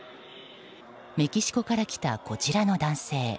メキシコから来た、こちらの男性。